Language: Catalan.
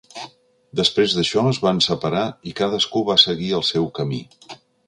Després d'això es van separar i cadascú va seguir el seu camí.